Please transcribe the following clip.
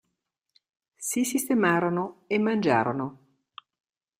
Si sistemarono e mangiarono.